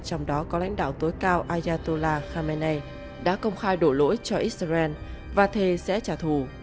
trong đó có lãnh đạo tối cao ayatola khamenei đã công khai đổ lỗi cho israel và thề sẽ trả thù